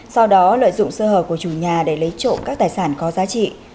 sau đó lợi dụng sơ hở của chủ nhà để lấy trộm các tài sản có giá trị